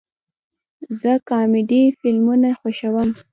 زه کامیډي فلمونه خوښوم